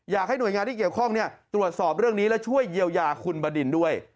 อยากให้หน่วยงานที่เกี่ยวข้องตรวจสอบเรื่องนี้และช่วยเยียวยาคุณบดินด้วย